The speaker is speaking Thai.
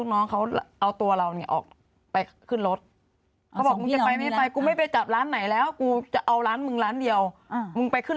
ก็กระชากตัวเราเราก็ไม่ขึ้น